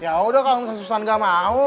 ya udah kamu susan gak mau